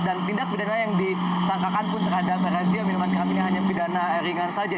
dan pindah pidana yang disangkakan pun terhadap razzia minuman keras ini hanya pidana ringan saja